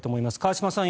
川島さん